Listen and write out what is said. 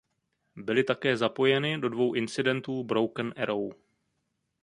Byly také zapojeny do dvou incidentů „Broken Arrow“.